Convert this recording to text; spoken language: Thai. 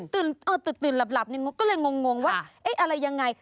ตื่นตื่นหลับก็เลยงงว่าอะไรยังไง